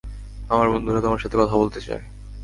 আমার বন্ধুরা তোমার সাথে কথা বলতে চায়।